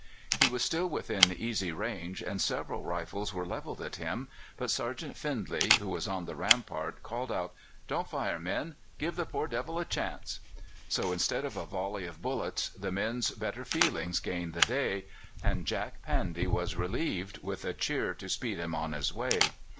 He was still within easy range, and several rifles were levelled at him; but Sergeant Findlay, who was on the rampart, called out: "Don't fire, men; give the poor devil a chance." So instead of a volley of bullets the men's better feelings gained the day, and Jack Pandy was reprieved, with a cheer to speed him on his way.